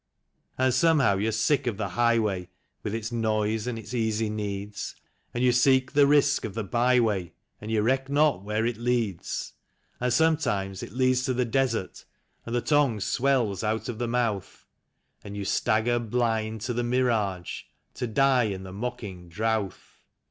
And somehow you're sick of the highwa3% with its noise and its easy needs, And you seek the risk of the by way, and 5'ou reck not where it leads. THE LONE TRAIL. 23 And sometimes it leads to the desert, and the tongue swells out of the mouth, And 3'ou stagger blind to the mirage, to die in the mocking drouth.